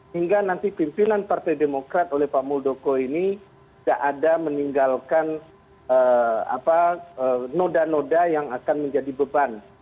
hingga nanti pimpinan partai demokrat oleh pak muldoko ini tidak ada meninggalkan noda noda yang akan menjadi beban